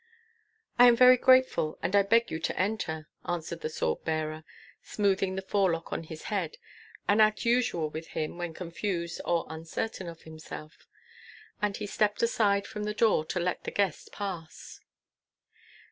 "I am very grateful, and I beg you to enter," answered the sword bearer, smoothing the forelock on his head, an act usual with him when confused or uncertain of himself. And he stepped aside from the door to let the guest pass.